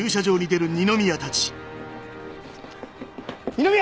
二宮！